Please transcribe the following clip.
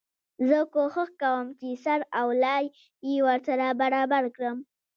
زه کوښښ کوم چي سر او لای يې ورسره برابر کړم.